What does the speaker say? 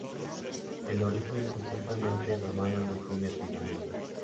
El origen presuntamente romano no tiene fundamento.